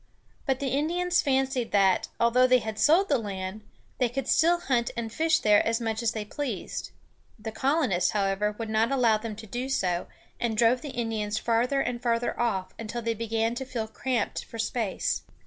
But the Indians fancied that, although they had sold the land, they could still hunt and fish there as much as they pleased. The colonists, however, would not allow them to do so, and drove the Indians farther and farther off, until they began to feel cramped for space.